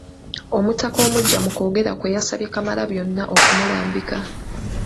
Omutaka Omuggya mu kwogera kwe, yasabye Kamalabyonna okumulambika.